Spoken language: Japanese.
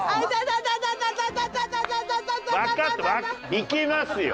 行きますよ！